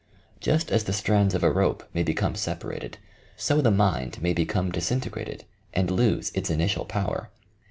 Just as the strands of a rope may become separated, so the mind may become disintegrated and lose its initial power.